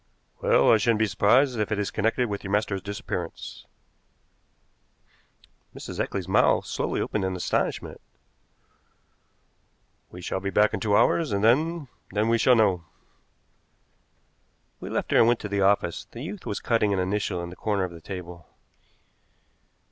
"Well, I shouldn't be surprised if it is connected with your master's disappearance." Mrs. Eccles's mouth slowly opened in astonishment. "We shall be back in two hours, and then then we shall know." We left her and went to the office. The youth was cutting an initial on the corner of the table.